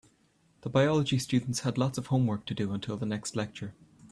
The biology students had lots of homework to do until the next lecture.